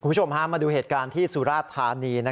คุณผู้ชมมาดูเหตุการณ์ที่สุราชธานี